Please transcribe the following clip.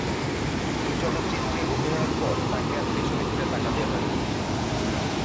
এই চলচ্চিত্রে অভিনয়ের পর তাঁকে আর পেছনে ফিরে তাকাতে হয়নি।